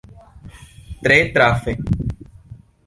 Tre trafe!